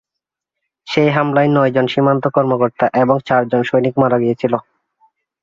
সেই হামলায় নয়জন সীমান্ত কর্মকর্তা এবং চারজন সৈনিক মারা গিয়েছিল।